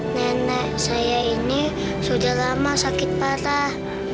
nenek saya ini sudah lama sakit parah